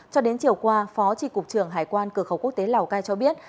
cho đến chiều qua phó chỉ cục trưởng hải quan cửa khẩu quốc tế lào cai cho biết